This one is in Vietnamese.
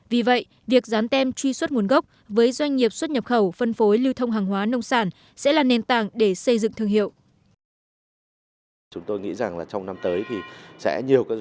vì vậy việc dán tem truy xuất nguồn gốc với doanh nghiệp xuất nhập khẩu phân phối lưu thông hàng hóa nông sản sẽ là nền tảng để xây dựng thương hiệu